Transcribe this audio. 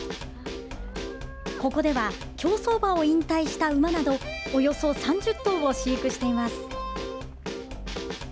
ここでは競走馬を引退した馬などおよそ３０頭を飼育しています。